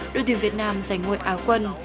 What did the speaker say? đội tuyển việt nam giành ngôi áo quân